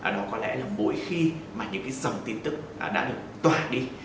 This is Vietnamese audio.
đó có lẽ là mỗi khi những dòng tin tức đã được tỏa đi